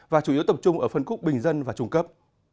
và chủ yếu tập trung ở phân khúc bình dân và trung cấp